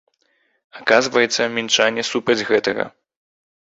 Аказваецца, мінчане супраць гэтага.